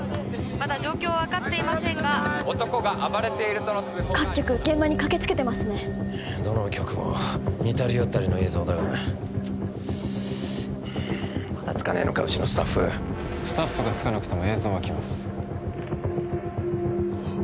まだ状況は分かっていませんが男が暴れているとの通報が各局現場に駆けつけてますねどの局も似たり寄ったりの映像だがなまだ着かねえのかうちのスタッフスタッフが着かなくても映像は来ますほっ！